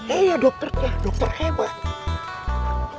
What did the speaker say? iya dokter dokter hebat